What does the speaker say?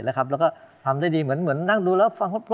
แล้วก็ทำได้ดีเหมือนเมืองรู้แล้วฟังก่อน